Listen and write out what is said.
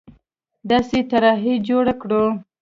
داسې طرحې جوړې کړو